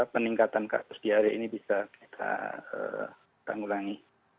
peningkatan kartus diare ini bisa kita ulangi